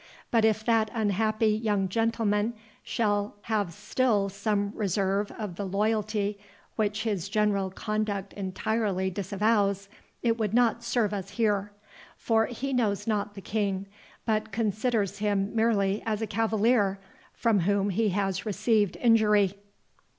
But if that unhappy young gentleman shall have still some reserve of the loyalty which his general conduct entirely disavows, it would not serve us here; for he knows not the King, but considers him merely as a cavalier, from whom he has received injury."